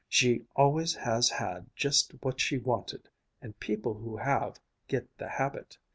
She always has had just what she wanted and people who have, get the habit.